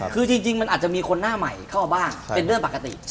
คือจริงมันอาจจะมีคนหน้าใหม่เข้ามาบ้างเป็นเรื่องปกติ